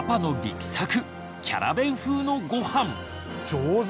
上手！